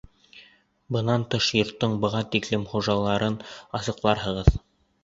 Бынан тыш, йорттоң быға тиклемге хужаларын асыҡларһығыҙ.